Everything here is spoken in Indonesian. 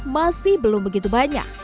masih belum begitu banyak